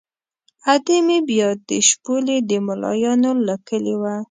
ادې مې بیا د شپولې د ملایانو له کلي وه.